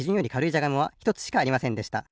じゃがいもはひとつしかありませんでした。